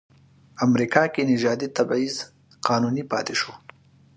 امریکا کې نژادي تبعیض قانوني پاتې شو.